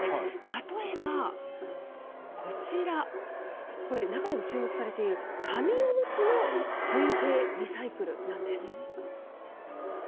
例えばこちら、これ、中でも注目されている、紙おむつの水平リサイクルなんです。